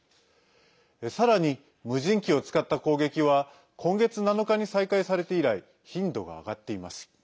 さらに、無人機を使った攻撃は今月７日に再開されて以来頻度が上がっています。